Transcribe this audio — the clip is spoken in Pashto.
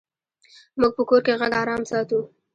موږ په کور کې غږ آرام ساتو.